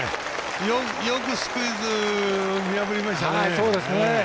よくスクイズ見破りましたね。